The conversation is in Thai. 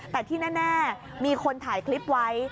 แต่ที่แน่มีคนถ่ายคลิปไว้